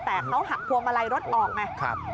แต่เขาหักพวงมาลัยรถออกไหมครับ